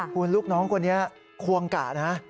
คุณลูกน้องคนนี้ควงกะนะ